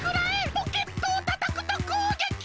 ポケットをたたくとこうげき！